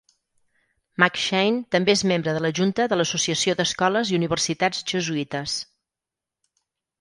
McShane també és membre de la junta de l'Associació d'Escoles i Universitats Jesuïtes.